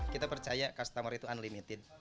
kita percaya customer itu unlimited